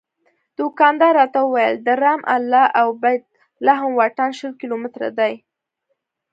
دوکاندار راته وویل د رام الله او بیت لحم واټن شل کیلومتره دی.